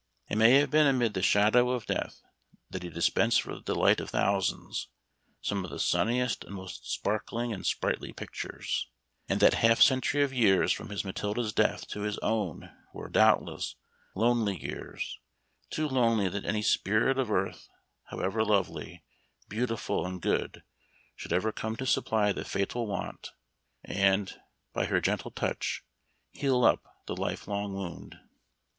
It may have been amid the " shadow of death " that he dispensed for the delight of thousands some of the sunniest and most sparkling and sprightly pictures ; and that half century of years from his Matilda's death to his own were, doubtless, lonely years — too lonely that any spirit of earth, how ever lovely, beautiful, and good, should ever Memoir of Washington Irving. Ji come to supply the fatal want, and, by her gen tle touch, heal up the life long wound.